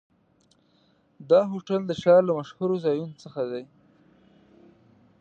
دا هوټل د ښار له مشهورو ځایونو څخه دی.